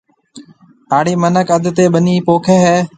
ھاڙِي مِنک اڌ تيَ ٻنِي پوکيَ ھيََََ